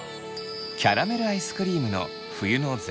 キャラメルアイスクリームの冬のぜいたくパフェ。